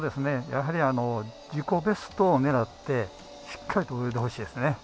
やはり自己ベストを狙ってしっかりと泳いでほしいですね。